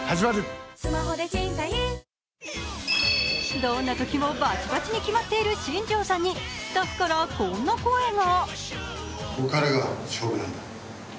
どんなときもバチバチに決まっている新庄さんにスタッフからこんな声が。